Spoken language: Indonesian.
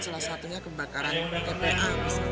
salah satunya kebakaran tpa